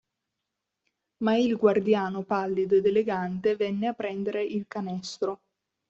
Ma il guardiano pallido ed elegante venne a prendere il canestro.